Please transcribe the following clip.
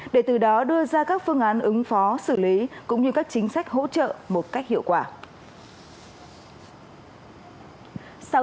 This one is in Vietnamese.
để từ đó đưa ra các phương án ứng phó xử lý cũng như các chính sách hỗ trợ một cách hiệu quả